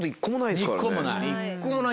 １個もない。